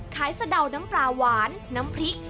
สะเดาน้ำปลาหวานน้ำพริก